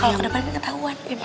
kalau ke depannya ketahuan